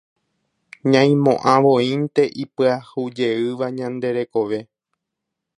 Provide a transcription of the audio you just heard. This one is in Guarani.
Ñaimo'ãvoínte ipyahujeýva ñande rekove.